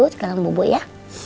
sekarang bobo ya